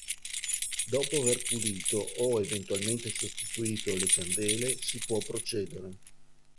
Dopo aver pulito o eventualmente sostituito le candele, si può procedere.